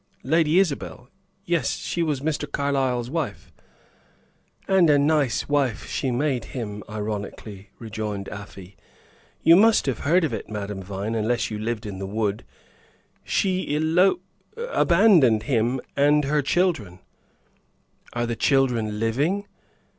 "Lady Isabel? Yes she was Mr. Carlyle's wife." "And a nice wife she made him!" ironically rejoined Afy. "You must have heard of it, Madame Vine, unless you lived in the wood. She eloped abandoned him and her children." "Are the children living?"